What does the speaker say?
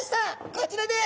こちらです。